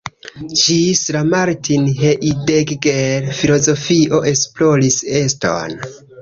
Ĝis la Martin Heidegger filozofio esploris eston.